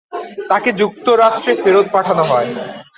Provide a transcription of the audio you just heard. তাকে যুক্তরাষ্ট্রে ফেরত পাঠানো হয়।